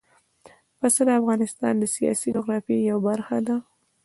پسه د افغانستان د سیاسي جغرافیه یوه برخه ده.